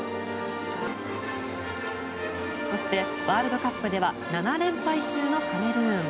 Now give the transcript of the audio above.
そしてワールドカップでは７連敗中のカメルーン。